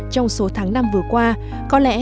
trong số tháng năm vừa qua có lẽ